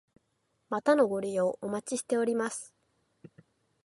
またのご利用お待ちしております。